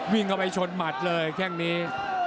วิ่งเข้าไปชนหมัดเลยแค่งนี้